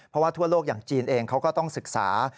เพราะว่าทั่วโลกอย่างจีนเองเขาก็ต้องศึกษา